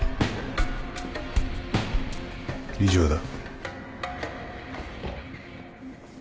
以上だ。